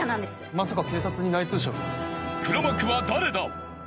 まさか警察に内通者が？